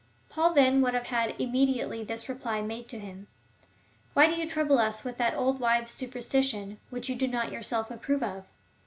Paul then would have had immediately this reply made to him :" Why do you trouble us with that old wives' superstition, which you do not yourself approve of